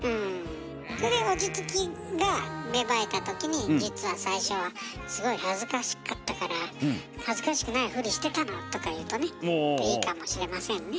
それ落ち着きが芽生えた時に実は最初はすごい恥ずかしかったから恥ずかしくないふりしてたのとか言うとねいいかもしれませんね。